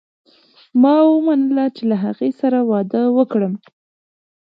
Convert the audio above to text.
ما ومنله چې له هغه سره واده وکړم.